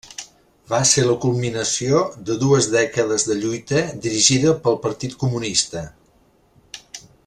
Va ser la culminació de dues dècades de lluita dirigida pel Partit Comunista.